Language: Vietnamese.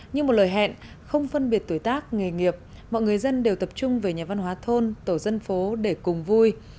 như một lời hẹn không phân biệt tuổi tác nghề nghiệp mọi người dân đều tập trung về nhà văn hóa thôn tổ dân phố để cùng vui